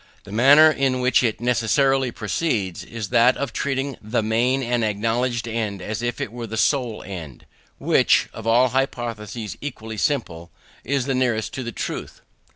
The manner in which it necessarily proceeds is that of treating the main and acknowledged end as if it were the sole end; which, of all hypotheses equally simple, is the nearest to the truth.